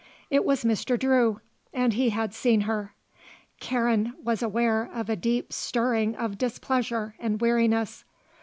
It was Mr. Drew and he had seen her. Karen was aware of a deep stirring of displeasure and weariness.